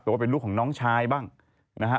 แต่ว่าเป็นลูกของน้องชายบ้างนะครับ